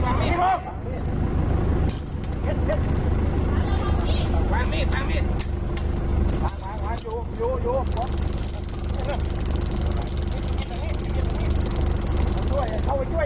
เข้าไปช่วยเข้าไปช่วย